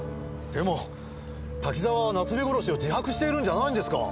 でも滝沢は夏美殺しを自白しているんじゃないんですか？